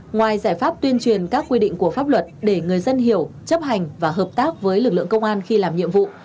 ngoài giải pháp tuyên truyền các quy định của pháp luật để người dân hiểu chấp hành và hợp tác với lực lượng công an khi làm nhiệm vụ